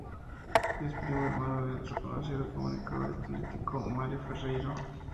Es primo hermano de otro conocido comunicador y político, Mario Ferreiro.